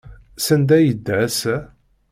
Sanda ay yedda ass-a?